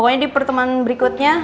pokoknya di pertemuan berikutnya